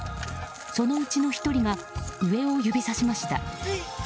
そのうちの１人が上を指さしました。